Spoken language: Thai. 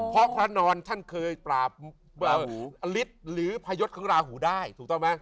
เพราะพระนอนท่านเคยปราบราหูอฤทธิ์หรือพยศของราหูได้ถูกต้องไหม